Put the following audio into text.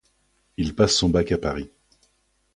Il passe son bac à Paris.